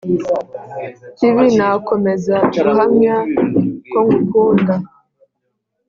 kibi nakomeza guhamya kongukunda